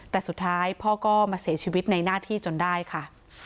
แต่สุดท้ายพ่อก็มาเสียชีวิตในหน้าที่จนได้ค่ะ